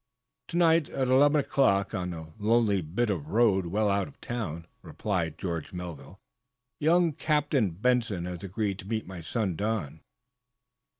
"To night, at eleven o'clock, on a lonely bit of road well out of town," replied George Melville, "young Captain John Benson has agreed to meet my son, Don."